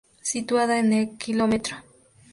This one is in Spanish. Situada en el Km.